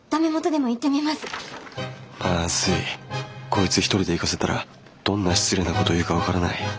こいつ一人で行かせたらどんな失礼なこと言うか分からない。